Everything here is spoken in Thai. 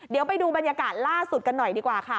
เดี๋ยวไปดูบรรยากาศล่าสุดกันหน่อยดีกว่าค่ะ